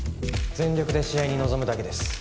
全力で試合に臨むだけです。